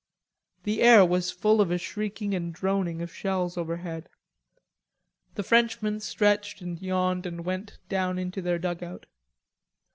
The air was full of a shrieking and droning of shells overhead. The Frenchmen stretched and yawned and went down into their dugout.